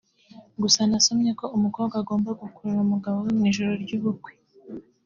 Gusa nasomye ko umukobwa agomba gukurura umugabo we (sexy) mu ijoro ry’ubukwe